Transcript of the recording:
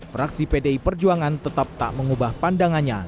fraksi pdi perjuangan tetap tak mengubah pandangannya